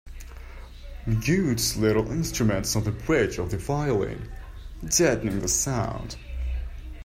Mutes little instruments on the bridge of the violin, deadening the sound.